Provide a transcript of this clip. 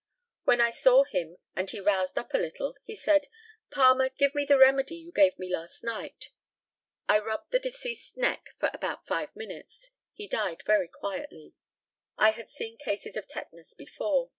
When I saw him and he roused up a little, he said, "Palmer, give me the remedy you gave me last night." I rubbed the deceased's neck for about five minutes. He died very quietly. I had seen cases of tetanus before.